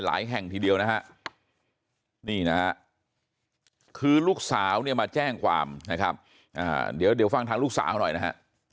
แห่งทีเดียวนะฮะนี่นะฮะคือลูกสาวเนี่ยมาแจ้งความนะครับเดี๋ยวฟังทางลูกสาวหน่อยนะฮะ